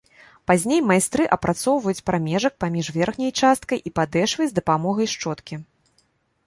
Пазней майстры апрацоўваюць прамежак паміж верхняй часткай і падэшвай з дапамогай шчоткі.